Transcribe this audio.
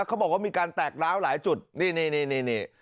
เขาบอกว่ามีการแตกร้าวหลายจุดนี่นี่